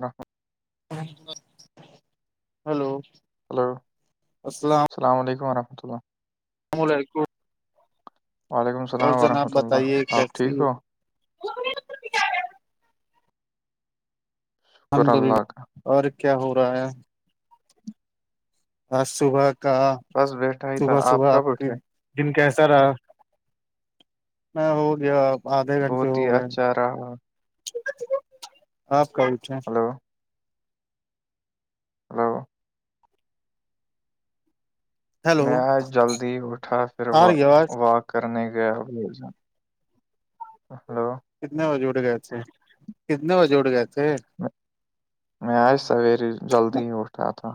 ر hello hello السلام علیکم ورحمۃ اللہ [inaudible] وعلیکم اور السلام جناب ورحمۃ اللہ بتائیے آپ ٹھیک کیسی ہو شکر الحمد للہ اللہ کا اور کیا ہو رہا ہے آج صبح کا بس بیٹھا ہی تھا صبح صبح آپ کب کے اٹھے دن کیسا رہا میں ہو گیا آدھے گھنٹے بہت ہو ہی گئے اچھا رہا آپ کئی تھ [inaudible] ہلو ہیلو میں آج جلدی اٹھا پھر و آ رہی آواز و کرنے گیا ہلو کتنے بجے اٹھ گئے تھے کتنے بجے اٹھ گئے تھے میں میں آج سویرے جلدی ہی اٹھا تھا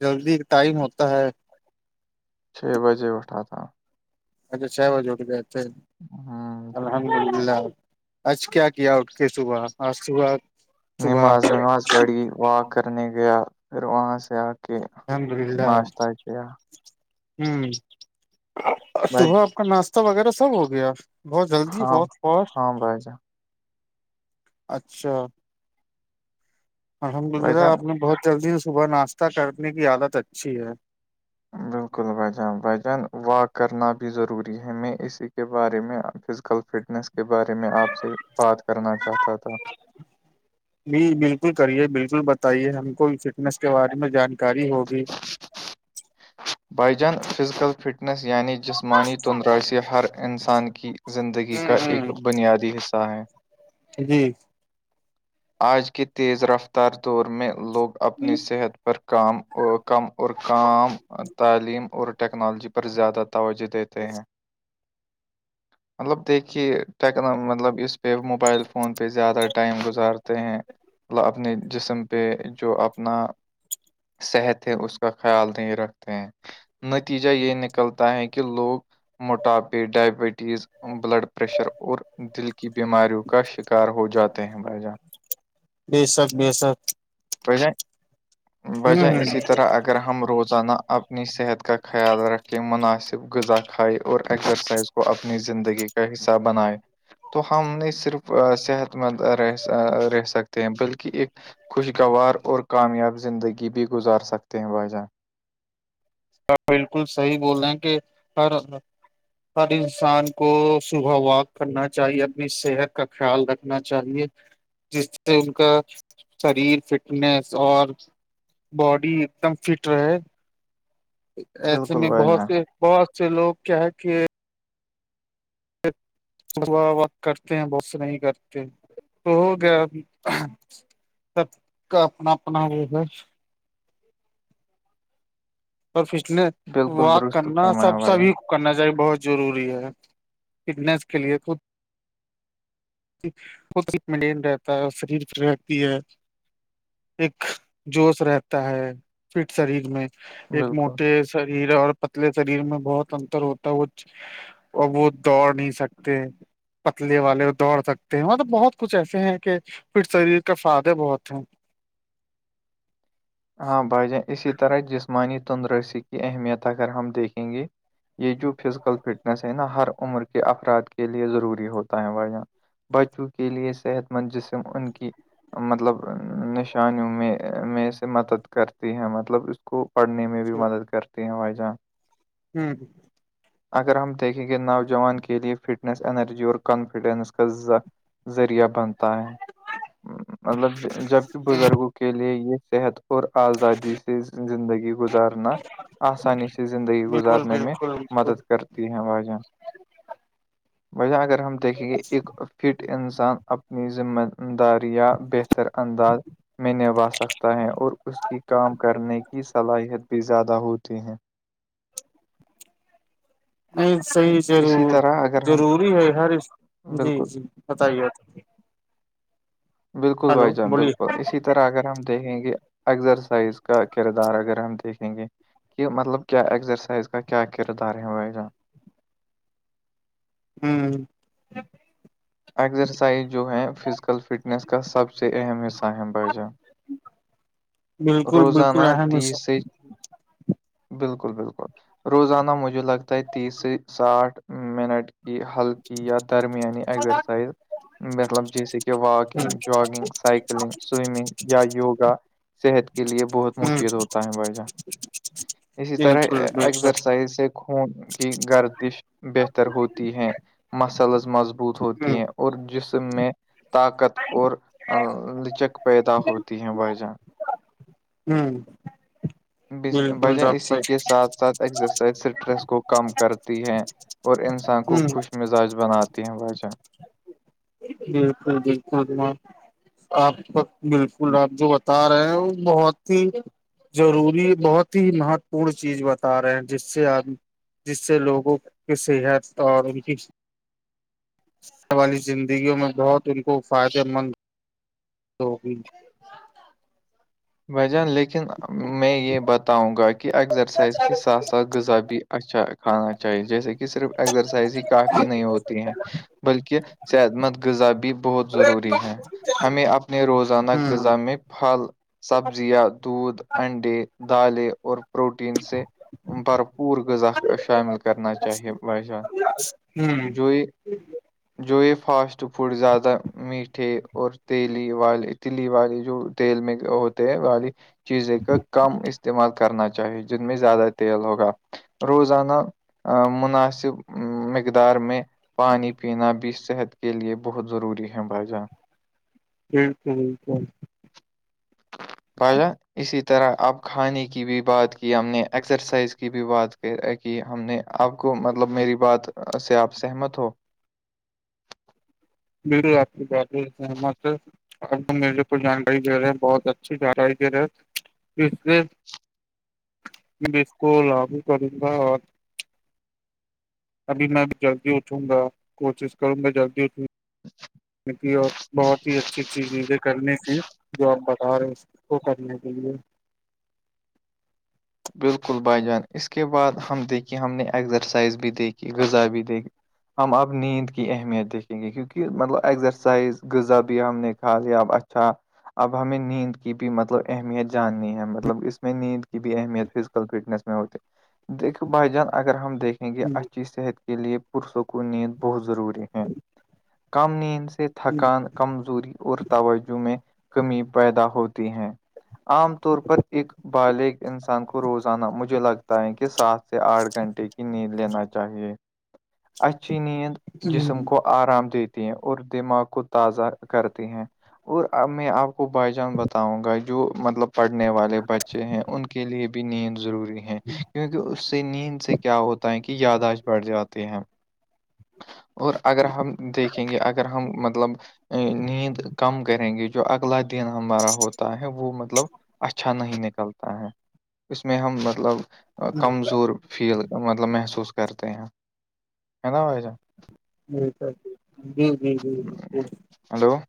جلدی ٹائم ہوتا ہے چھ بجے اٹھا تھا اچھا چھ بجے اٹھ گئے تھے ہم، جی۔ الحمد للہ آج کیا کیا اٹھ کے صبح آج صبح صبح نماز وماز پڑی واک کرنے گیا پھر وہاں سے آ کے الحمد ناشتہ کیا ہمم بھائی صبح آپ کا ناشتہ وغیرہ سب ہو گیا بہت جلدی ہاں بہت فاسٹ ہاں بھائی جان اچھا الحمد بھائی للہ جان آپ نے بہت جلدی صبح ناشتہ کرنے کی عادت اچھی ہے بالکل بھائی جان بھائی جان واک کرنا بھی ضروری ہیں میں اسی کے بارے میں کل فٹنس کے بارے میں آپ سے بات کرنا چاہتا تھا جی بالکل کریے بالکل بتائیے ہم کو فٹنس کے بارے میں جانکاری ہوگی [inaudible] بھائی جان فزیکل فٹنیس یعنی جسمانی تندریاسی ہر انسان کی زندگی کا ایک ہوں ہ بنیادی حصہ ہے جی آج کے تیز رفتار دور میں لوگ اپنی صحت پر کام کم اور کام تعلیم اور ٹیکنالوجی پر زیادہ توجہ دیتے ہیں مطلب دیکھی کہ ٹیکنا مطلب اس پہ موبائل فون پہ زیادہ ٹائم گزار تے ہیں اپنے جسم پہ جو اپنا صحت ہے اس کا خیال نہیں رکھتے ہیں نتیجہ یہ نکلتا ہے کہ لوگ موٹاپے ڈائبٹیز بلڈ پریشر اور دل کی بیماریوں کا شکار ہو جاتے ہیں بھائی جان بے شک بےشک بھائی جان بھائی جان ہ اسی طرح اگر ہم روزانہ اپنی صحت کا خیال رکھے مناسب غذا کھائے اور ایسرسائز کو اپنی زندگی کا حصہ بنائے تو ہم نے صرف صحت مند رہ رہ سکتے ہیں بلکہ ایک خوشگوار اور کامیاب زندگی بھی گزار سکتے ہیں بھایی جان آپ بالکل صحیح بول رہے ہیں کہ ہر ہر انسان کو صبح واک کرنا چاہیے اپنی صحت کا خیال رکھنا چاہیے جس سے ان کا شریر فٹنیس اور باڈی ایک دم فٹ رہے ایسے بالکل میں بھائی بہت جان سے بہت سے لوگ کیا ہے کہ کرتے ہیں بہت سارے کرتے ہیں تو ہو گیا سب کا اپنا اپنا ہوگیا اور فٹنس بالکل واک درست کرنا سب فرمایا بھائی جان سبھی کرنا چاہیے بہت ضروری ہے فٹنیس کے لیے تو [unintelligible] ایک جوش رہتا ہے فٹ شریر میں ایک بالکل موٹے شریر اور پتلے شریر میں بہت انتر ہوتا ہے وہ اور وہ دوڑ نہیں سکتے پتلے والے دوڑ سکتے ہیں مطلب بہت کچھ ایسے ہیں کہ فٹ شریر کا فائدے بہت ہیں ہاں بھائی جان اسی طرح جسمانی تندرسی کی اہمیت اگر ہم دیکھیں گے یہ جو فزیکل فٹنس ہے نا ہر عمر کے افراد کے لیے ضروری ہوتا ہے بھائی جان بچوں کے لیے صحت مند جسم ان کی مطلب نشانو میں میں سے مدد کرتی ہیں مطلب اس کو پڑھنے میں بھی مدد کرتی ہیں بھائی جہان [inaudible] اگر ہم دیکھیں گے نوجوان کے لیے فٹنس انرجی اور کانفیڈینس کا زذ ذریعہ بنتا ہے مطلب جبکہ بزرگوں کے لیے یہ صحت اور آزادی سے زندگی گزارنا آسانی سے زندگی بالکل گزارنے میں بالکل بالکل مدد کرتی ہیں واجن وجہ اگر ہم دیکھیں گے ایک فٹ انسان اپنی ذمہ داریا بہتر انداز میں نوا سکتا ہے اور اس کی کام کرنے کی صلاحیت بھی زیادہ ہوتی ہے نہیں صحیحضر اسی طرح اگر ہم ضروری ہے ہر جی بالکل جی بتائیے بالکل بھائی ہلو جان بولیے بالکل اسی طرح اگر ہم دیکھیں گے ازرسائز کا کردار اگر ہم دیکھیں گے کہہ مطلب کیا اگزسائز کا کیا کردار ہےوزہ [inaudible] اگزرسائز جو ہے فزیکل فٹنس کا سب سے اہم حصہ ہے بھائی جان بالکل بالکل روزانہ اہم س تیس بالکل بالکل روزانہ مجھے لگتا ہے تیس ساٹھ منٹ کی ہلکی یا درمیانی ایگزرسائز مطلب جیسے کہ ہ واکنگ جگنگ سائیکلنگ سوئمنگ یا یوگا صحت کے لیے بہت ہ مفید ہوتا ہے بھائی جان اسی طرح بالکل بے شک اکزرسائز سے خون کی گردش بہتر ہوتی ہے مسلز مضبوط ہ ہوتی ہیں اور جسم میں طاقت اور لچک پیدا ہوتی ہے بائی جان [inaudible] بالکل وجہ ضابطہ اسی کے ساتھ ساتھ ایکزرسائز اسٹریس کو کم کرتی ہے اور انسان کو ہ خوش مزاج بناتی وجہ بالکل بالکل آپ و بالکل آپ جو بتا رہے ہیں بہت ہی ضروری بہت ہی مہتوپورن چیز بتا رہے ہیں جس سے آپ جس سے لوگوں کی صحت اور ان کی والی زندگیوں میں بہت ان کو فائدے مند ہوگی بجان لیکن میں یہ بتاؤں گا کہ اکزرسائز کے ساتھ ساتھ غذا بھی اچھا کھانا چاہیے جیسے کہ صرف ازرسائز ہی کافی نہیں ہوتی ہے بلکہ صحت مند غذا بھی بہت ضروری ہے ہمیں اب نے روزانہ ہوں غذا میں پھل سبزیاں دودھ انڈے دالیں اور پروٹین سے بھرپور غذا شامل کرنا چاہیے باشاہان ہوں جو یہ جو یہ فاسٹ فوڈ زیادہ میٹھے اور تیلی والے تلی والے جو تیل میں ہو والی چیزیں کا کم استعمال کرنا چاہیے جن میں زیادہ تیل ہوگا روزانہ مناسب مقدار میں پانی پینا بھی صحت کے لیے بہت ضروری ہے بھائی جان جییک ہیک بیاہ اسی طرح اب کھانے کی بھی بات کی ہم نے ایکسرسائز کی بھی بات کی ہم نے آپ کو مطلب میری بات سے آپ سہمت ہو میرو آپ کی بات رہ سر آ میرے کو جانکاری دے رہے ہیں بہت اچھی جانکاری دے رہے اس سے اسسک لگو کروں گا اور ابھی میں جلدی اٹھوں گا کوشش کروں گا جلدی اٹھوں گ بہت ہی اچھی اچھیز چیزیں کرنے سے جواب بتاا رہے اس کو کرنے کے لیے بالکل بھائی جان اس کے بعد ہم دیکھے ہم نے ایگزرسائز بھی دیکھی غذا بھی دیکھی ہم اپ نیند کی اہمیت دیکھیں گے کیونکہ مطلب ایزرسائز غذا بھی ہم نے خاصیاب اچھا اب ہمیں نیند کی بھی مطلب اہمیت جاننی ہے مطلب اس میں نیند کی بھی اہمیت فزیکل فٹنس میں ہوتے دیکھو بھائی جان اگر ہم دیکھیں گے ہ اچھی صحت کی کے لیے پرسوں کو نیند بہت ضروری ہے کم نین سے ہ تھکان کمزوری اور توجہ میں کمی پیدا ہوتی ہے عام طور پر ایک بالغ انسان کو روزانہ مجھے لگتا ہے کہ سات سے آٹھ گھنٹے کی نیند لینا چاہیے اس چ نیند جی جسم کو [unintelligible] آرام دیتی ہیں اور دماغ کو تازہ کرتی ہیں اورب میں آپ کو بائی جان بتاؤں گا جو مطلب پڑھنے والے بچے ہیں ان کے لیے بھی نیند ضروری ہے کیونکہ اس سے نیند سے کیا ہوتا ہے کہ یاداشت بڑھ جاتے ہیں اور اگر ہم دیکھیں گے اگر ہم مطلب نیند کم کریں گے جو اگلا دن ہمارا ہوتا ہے وہ مطلب اچھا نہیں نکلتا ہے اس میں ہم مطلب کمزور فیل مطلب محسوس کرتے ہیں ہے نا بھائی جان جی س جی جی جی جی جی جی ہلو [inaudible]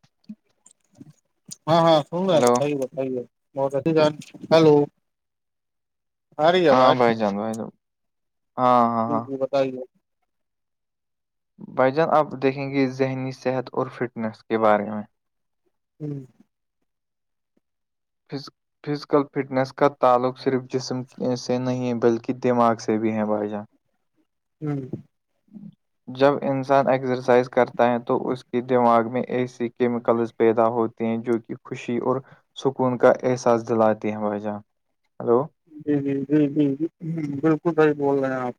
ہاں ہاں سن رہے ہیں ہلو بتائیے بتائیے بہت اھیال ہیلو ہاں بائی جان بائی ج جی جی بتائیے بھ جان آپ دیکھیں گے ذہنی صحت اور فٹنس کے بارے میں ہوں [inaudible] فزیکل فٹنس کا تعلق صرف جسم سے نہیں بلکہ دماغ سے بھی ہیں بھائی جان [inaudible] [inaudible] ہوں جب انسان ایکسرسائز کرتا ہے تو اس کے دماغ میں ایسی کیمیکلز پیدا ہوتی ہیں جو کہ خوشی اور کون کا احساس دلاتے ہیں بھائی جان ہلو جی جی جی جی جی بالکل صحیح بول رہے ہیں آپ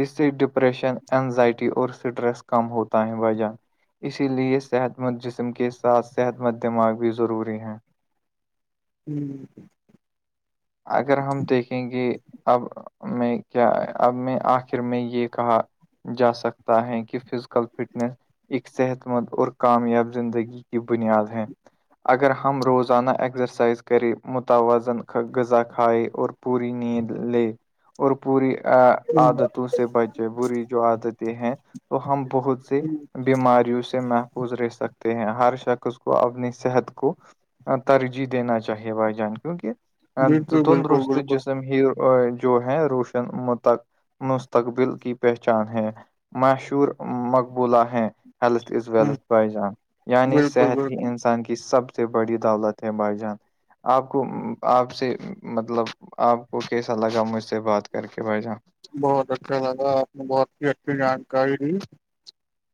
اس سے ڈپریشن اینزائٹی اور سٹریس کم ہوتااں وجہہ اسی لیے صحت مند جسم کے ساتھ صحت مند دماغ بھی ضروری ہیں ہوں اگر ہم دیکھیں گے اب میں کیا اب میں آخر میں یہ کہا جا سکتا ہے کہ فزیکل فٹنیس ایک صحت مند اور کامیاب زندگی کی بنیاد ہے اگر ہم روزانہ ایگزرسائز کریں متوازن زا کھائے اور پوری نیند لے اور پوری ہ عادت تو سے بچے بری جو عادتیں ہیں تو ہم بہت سے بیماریوں سے محفوظ رہ سکتے ہیں ہر شخص اس کو اپنی صحت کو ترجیح دینا چاہیے بھائی جان کیونکہ ا بالکل بالکل تندرست بالکل جسم ہی جو ہے روشن متک مستقبل کی پہچان ہے مشور مقبولہ ہیں ہیلتھ از ہ ویلتھ بائی جان یعنی بالکل صحت ہی بالکل انسان کی سب سے بڑی دولت ہے بھائی جان آپ کو ہوں آپ سے مطلب آپ کو کیسا لگا مجھ سے بات کر کے بھ جان بہت اچھا لگا آپ نے بہت ہی اچھی جانکاری دی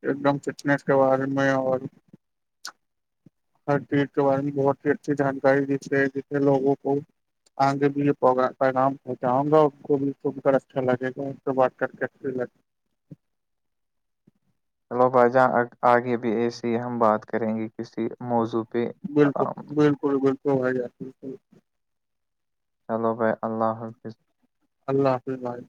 ایک دم فٹنیس کے بارے میں اور ہر چیز کے بارے میں بہت ہی اچھی جانکاری دیتے جسے لوگوں کو آگے بھی یہ پیغام پہنچاؤں گا ان کو بھی سن کر اچھا لگے گا سے بات کر کے اچھی لگ چلو بھ جاں آگے بھی ایسے ہی ہم بات کریں گے کسی موضوع پہ بالکل آ- بالکل بالکل ب جار بکل چلو بھائی اللہ حافظ اللہ حافظ اللہظ